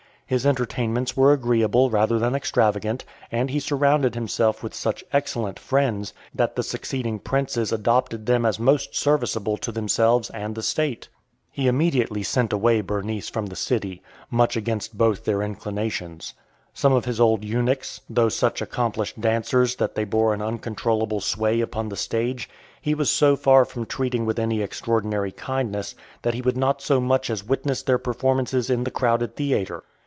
His entertainments were agreeable rather than extravagant; and he surrounded himself with such excellent friends, that the succeeding princes adopted them as most serviceable to themselves and the state. He immediately sent away Berenice from the city, much against both their inclinations. Some of his old eunuchs, though such accomplished dancers, that they bore an uncontrollable sway upon the stage, he was so far from treating with any extraordinary kindness, that he would not so much as witness their performances in the crowded theatre.